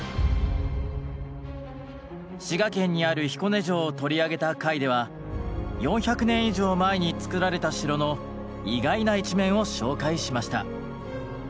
滋賀県にある彦根城を取り上げた回では４００年以上前に造られた城の意外な一面を紹介しました。